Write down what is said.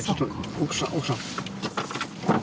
奥さん奥さん。